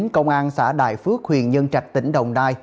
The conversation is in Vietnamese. công an xã đại phước huyện nhân trạch tỉnh đồng nai